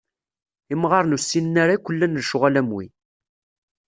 Imɣaren ur ssinen ara akk llan lecɣal am wi.